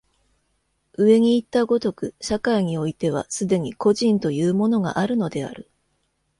上にいった如く、社会においては既に個人というものがあるのである。